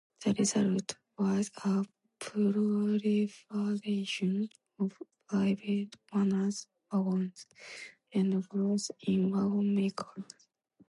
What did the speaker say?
The result was a proliferation of private owner wagons, and growth in wagon makers.